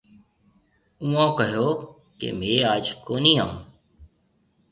اُوئون ڪهيَو ڪي ميه آج ڪوني آئون۔